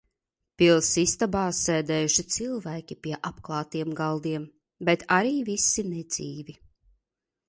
Pils istabās sēdējuši cilvēki pie apklātiem galdiem, bet arī visi nedzīvi.